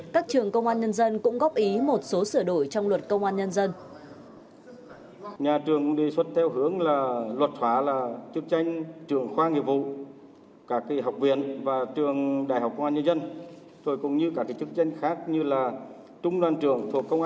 các trường công an nhân dân cũng góp ý một số sửa đổi trong luật công an nhân dân